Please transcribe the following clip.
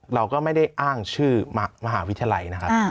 เราก็ไม่ได้อ้างชื่อมหาวิทยาลัยนะครับ